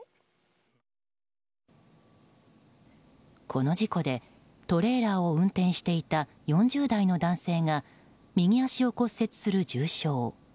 この事故でトレーラーを運転していた４０代の男性が右足を骨折する重傷。